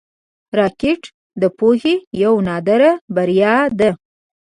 راکټ د پوهې یوه نادره بریا ده